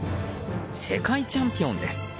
世界チャンピオンです。